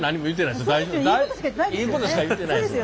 いいことしか言ってないです。